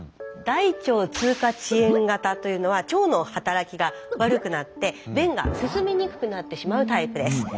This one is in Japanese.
大腸通過遅延型というのは腸の働きが悪くなって便が進みにくくなってしまうタイプです。